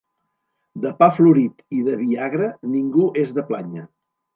De pa florit i de vi agre ningú és de plànyer.